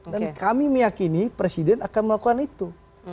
dan kami meyakini presiden akan melakukan itu